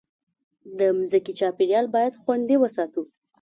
د مځکې چاپېریال باید خوندي وساتو.